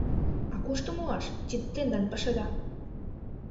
— А кушто муаш — тиде тендан пашада.